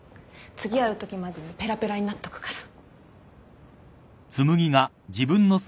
次会うときまでにペラペラになっとくから。